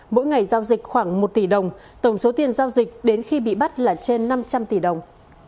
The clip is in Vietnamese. mỗi ngày giao dịch khoảng một tỷ đồng tổng số tiền giao dịch đến khi bị bắt là trên năm trăm linh tỷ đồng